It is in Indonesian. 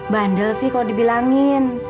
bandel sih kalau dibilangin